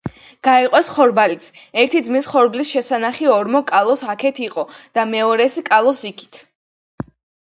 გაიყვეს ხორბალიც. ერთი ძმის ხორბლის შესანახი ორმო კალოს აქათ იყო და მეორის - კალოს იქით